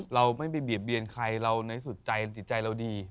เราไม่มีเปรียบเบียนใครในสุดใจเราดี